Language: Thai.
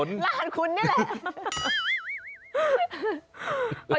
หลานคุณนี่แหละ